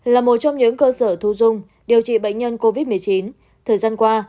là một trong những cơ sở thu dung điều trị bệnh nhân covid một mươi chín thời gian qua